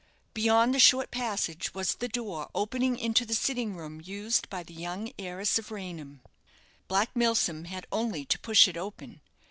Beyond the short passage was the door opening into the sitting room used by the young heiress of Raynham. Black Milsom had only to push it open.